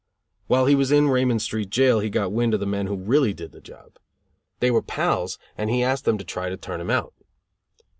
While he was in Raymond Street jail he got wind of the men who really did the job. They were pals and he asked them to try to turn him out.